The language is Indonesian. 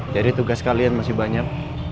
jadi tugas kalian masih banyak